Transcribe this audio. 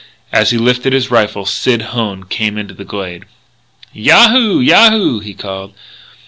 As he lifted his rifle, Sid Hone came into the glade. "Yahoo! Yahoo!" he called.